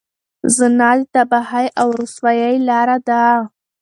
زنا د تباهۍ او رسوایۍ لاره ده.